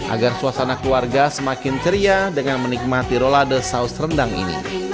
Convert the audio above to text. agar suasana keluarga semakin ceria dengan menikmati rolade saus rendang ini